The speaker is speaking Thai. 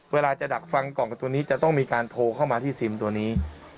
เวลาจะดักฟังกล่องตัวนี้จะต้องมีการโทรเข้ามาที่ซิมตัวนี้